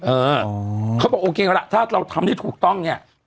เออเขาบอกโอเคละถ้าเราทำได้ถูกต้องเนี่ย